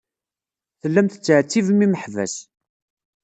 Tellam tettɛettibem imeḥbas.